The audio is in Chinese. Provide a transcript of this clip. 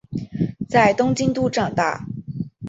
在东京都长大。